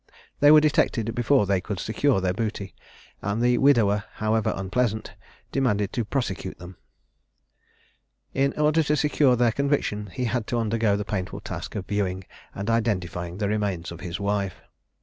They were detected before they could secure their booty; and the widower, however unpleasant, determined to prosecute them. In order to secure their conviction, he had to undergo the painful task of viewing and identifying the remains of his wife.